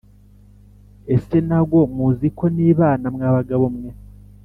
ese nago muzi ko nibana mwa bagabo mwe